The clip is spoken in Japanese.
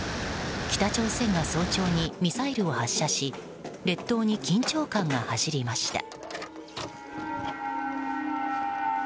北朝鮮が早朝にミサイルを発射し列島に緊張感が走りました。